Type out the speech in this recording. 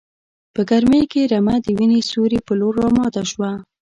په ګرمۍ کې رمه د وینې سیوري په لور راماته شوه.